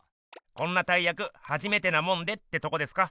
こんな大やくはじめてなもんでってとこですか？